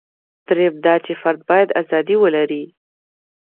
درېیم دا چې فرد باید ازادي ولري.